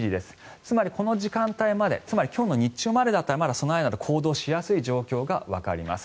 つまり、この時間帯まで今日の日中までだったらまだ備えなど行動しやすい状況がわかります。